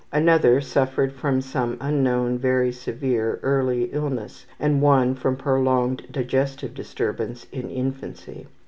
Another suffered from some unknown very severe early illness, and one from prolonged digestive disturbance in infancy.